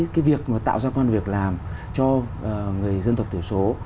cái việc mà tạo ra quan việc làm cho người dân tộc thiểu số